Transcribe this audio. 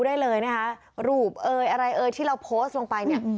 ได้เลยเนี้ยฮะอะไรเอ้ยที่เราโพสต์ลงไปเนี้ย